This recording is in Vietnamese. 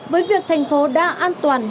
với việc thành phố đã an toàn